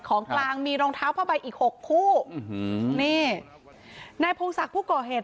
ของกลางมีรองเท้าผ้าใบอีกหกคู่อื้อหือนี่นายพงศักดิ์ผู้ก่อเหตุ